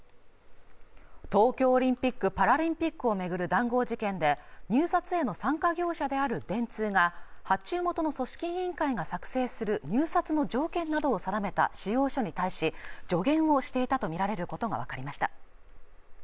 東京オリンピック・パラリンピックを巡る談合事件で入札への参加業者である電通が発注元の組織委員会が作成する入札の条件などを定めた仕様書に対し助言をしていたとみられることが分かりました